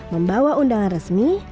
membawa undangan resmi